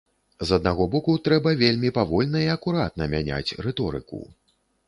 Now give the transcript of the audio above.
З аднаго боку, трэба вельмі павольна і акуратна мяняць рыторыку.